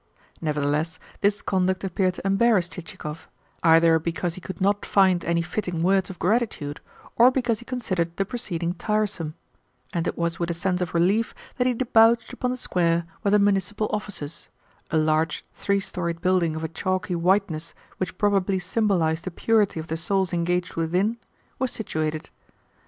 Nevertheless this conduct appeared to embarrass Chichikov, either because he could not find any fitting words of gratitude or because he considered the proceeding tiresome; and it was with a sense of relief that he debouched upon the square where the municipal offices a large, three storied building of a chalky whiteness which probably symbolised the purity of the souls engaged within were situated.